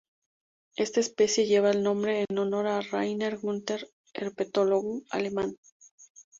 Esta especie lleva el nombre en honor a Rainer Günther, herpetólogo alemán.